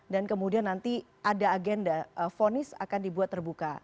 dan kemudian nanti ada agenda fonis akan dibuat terbuka